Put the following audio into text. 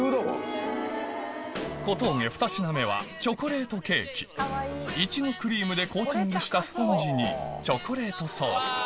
小峠２品目はチョコレートケーキいちごクリームでコーティングしたスポンジにチョコレートソース